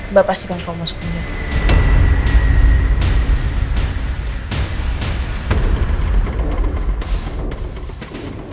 mbak pastikan kau masuk ke rumah